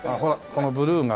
このブルーが。